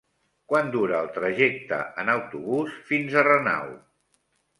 Quant dura el trajecte en autobús fins a Renau?